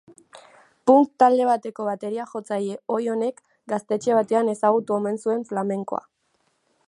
Punk talde bateko bateria-jotzaille ohi honek gaztetxe batean ezagutu omen zuen flamenkoa.